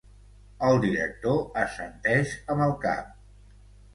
El director assenteix am el cap.